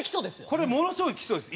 これものすごい基礎です。